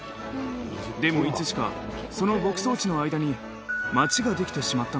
でもいつしかその牧草地の間に町ができてしまったのさ。